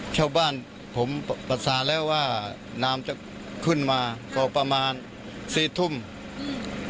ชาวบ้านผมประสานแล้วว่าน้ำจะขึ้นมาก็ประมาณสี่ทุ่มอืม